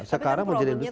sekarang menjadi listrik